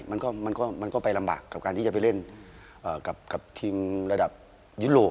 มันก็ไปลำบากกับการที่จะไปเล่นกับทีมระดับยุโรป